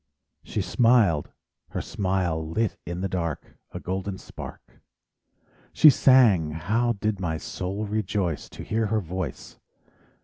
She smiled—her smile lit in the dark A golden spark; She sang—how did my soul rejoice To hear her voice!